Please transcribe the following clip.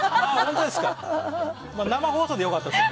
生放送でよかったです。